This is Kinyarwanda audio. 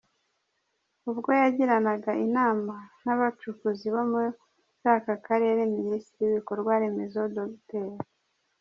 Ubwo yagiranaga inama n’abacukuzi bo muri aka Karere, Minisitiri w’Ibikorwa Remezo Dr.